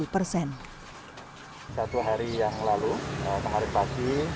empat puluh persen satu hari yang lalu ke hari pagi